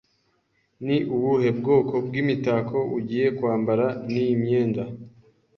Ni ubuhe bwoko bw'imitako ugiye kwambara niyi myenda?